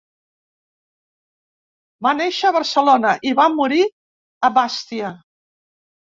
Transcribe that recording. Va néixer a Barcelona i va morir a Bastia.